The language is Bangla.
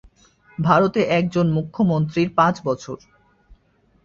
ভারতে একজন মুখ্যমন্ত্রীর পাঁচ বছর।